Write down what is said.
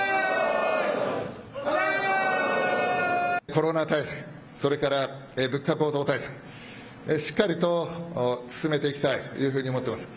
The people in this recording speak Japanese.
コロナ対策、それから物価高騰対策、しっかりと進めていきたいというふうに思っています。